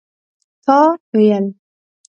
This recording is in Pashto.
تا ويل